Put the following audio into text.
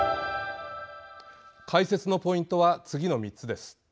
解説のポイントは次の３つです。